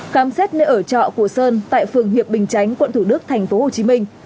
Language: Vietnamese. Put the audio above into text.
khám xét nơi ở trọ của sơn tại phường hiệp bình chánh quận thủ đức thành phố hồ chí minh